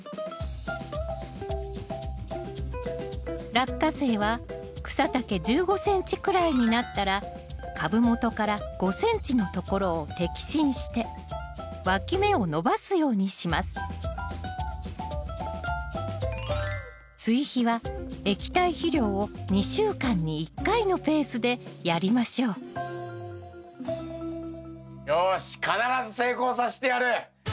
ラッカセイは草丈１５ｃｍくらいになったら株元から５ｃｍのところを摘心してわき芽を伸ばすようにしますのペースでやりましょうよし必ず成功さしてやる！